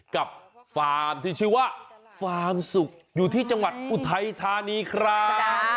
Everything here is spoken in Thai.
ฟาร์มที่ชื่อว่าฟาร์มสุขอยู่ที่จังหวัดอุทัยธานีครับ